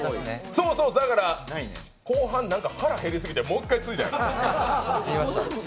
そうそう、だから後半腹減りすぎてもう一回ついだやろ。